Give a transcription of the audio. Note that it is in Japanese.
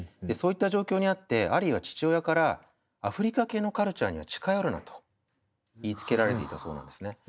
そういった状況にあってアリーは父親からアフリカ系のカルチャーには近寄るなと言いつけられていたそうなんですね。